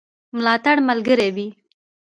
ملاتړ ملګری وي.